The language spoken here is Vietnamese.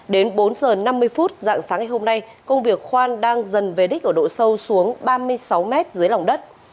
đến bốn h năm mươi phút dạng sáng ngày hôm nay công việc khoan đang dần về đích ở độ sâu xuống ba mươi sáu mét dưới lòng đất